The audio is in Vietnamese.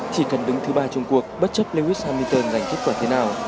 chỉ cần đứng thứ ba chung cuộc bất chấp lewis hamilton giành kết quả thế nào